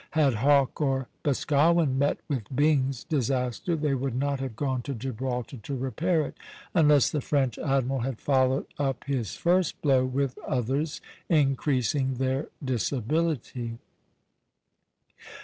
Had Hawke or Boscawen met with Byng's disaster, they would not have gone to Gibraltar to repair it, unless the French admiral had followed up his first blow with others, increasing their disability.